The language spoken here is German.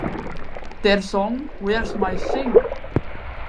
Der Song "Where's My Thing?